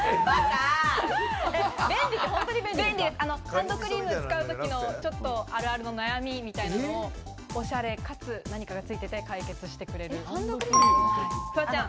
ハンドクリーム使う時のちょっとあるあるの悩みみたいのをお洒落かつ、何かついてて解決してくれる。